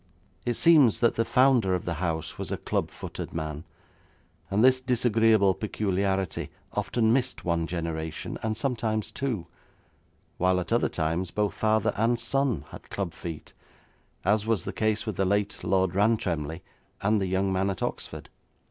It seems that the founder of the house was a club footed man, and this disagreeable peculiarity often missed one generation, and sometimes two, while at other times both father and son had club feet, as was the case with the late Lord Rantremly and the young man at Oxford.